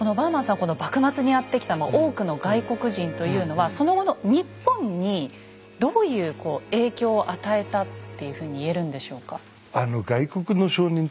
この幕末にやって来た多くの外国人というのはその後の日本にどういう影響を与えたっていうふうに言えるんでしょうか。